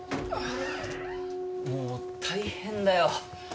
もう大変だよ